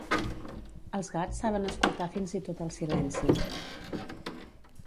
Els gats saben escoltar fins i tot el silenci.